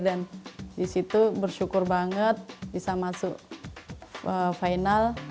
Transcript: dan disitu bersyukur banget bisa masuk final